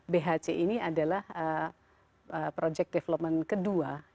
bhc ini adalah project development kedua